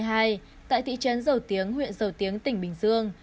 tại thị trấn dầu tiếng huyện dầu tiếng tỉnh bình dương